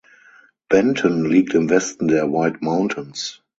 Benton liegt im Westen der White Mountains.